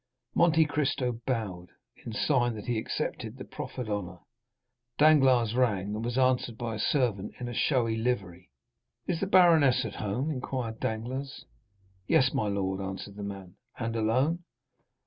Monte Cristo bowed, in sign that he accepted the proffered honor; Danglars rang and was answered by a servant in a showy livery. "Is the baroness at home?" inquired Danglars. "Yes, my lord," answered the man. "And alone?"